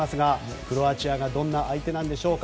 クロアチアはどんな相手なんでしょうか。